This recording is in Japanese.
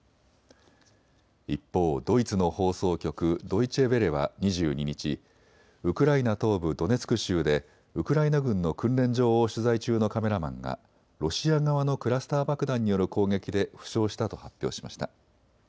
一方、ドイツの放送局、ドイチェ・ヴェレは２２日、ウクライナ東部ドネツク州でウクライナ軍の訓練場を取材中のカメラマンがロシア側のクラスター爆弾による攻撃で負傷したと発表しました。